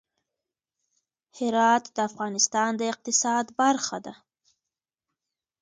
هرات د افغانستان د اقتصاد برخه ده.